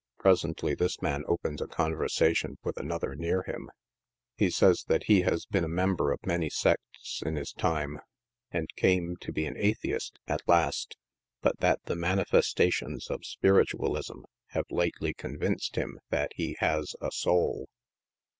Presently this man opens a conversation with another near him. lie says that he has been a member of many sects in his time, and came to be*an atheist at last, but that the manifestations of Spiritualism have lately con vinced him that he has a soul.